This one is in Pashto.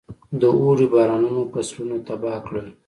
د اوړي بارانونو فصلونه تباه کړل.